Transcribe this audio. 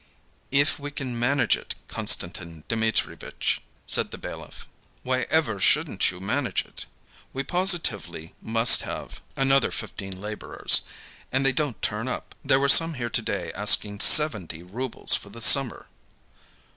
"If we can manage it, Konstantin Dmitrievitch," said the bailiff. "Why ever shouldn't you manage it?" "We positively must have another fifteen laborers. And they don't turn up. There were some here today asking seventy roubles for the summer."